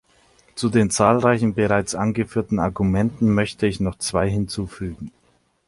Zu den zahlreichen bereits angeführten Argumenten möchte ich noch zwei hinzufügen.